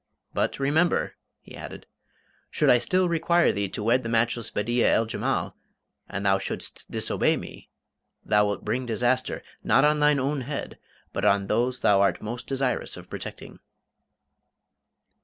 But, remember," he added: "should I still require thee to wed the matchless Bedeea el Jemal, and thou shouldst disobey me, thou wilt bring disaster, not on thine own head, but on those thou art most desirous of protecting."